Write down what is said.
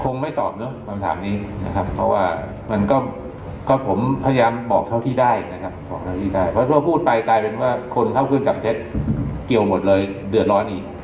ไม่ตอบเนอะคำถามนี้นะครับเพราะว่ามันก็ผมพยายามบอกเท่าที่ได้นะครับบอกเท่าที่ได้เพราะถ้าพูดไปกลายเป็นว่าคนเข้าเครื่องจับเท็จเกี่ยวหมดเลยเดือดร้อนอีก